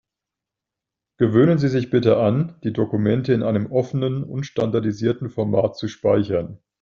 Gewöhnen Sie sich bitte an, die Dokumente in einem offenen und standardisierten Format zu speichern.